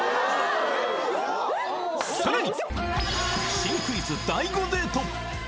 さらに！